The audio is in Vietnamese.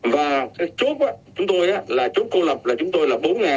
và cái chốt chúng tôi là chốt cô lập là chúng tôi là bốn ba trăm một mươi ba